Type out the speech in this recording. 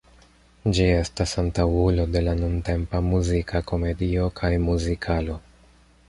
Ĝi estas antaŭulo de la nuntempa muzika komedio kaj muzikalo.